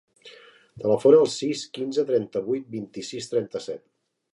Telefona al sis, quinze, trenta-vuit, vint-i-sis, trenta-set.